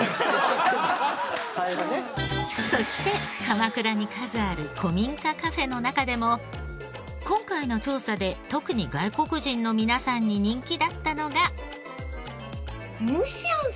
そして鎌倉に数ある古民家カフェの中でも今回の調査で特に外国人の皆さんに人気だったのが。